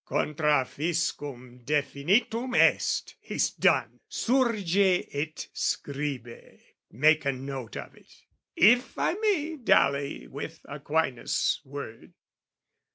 "Contra Fiscum definitum est!" He's done, "Surge et scribe," make a note of it! If I may dally with Aquinas' word.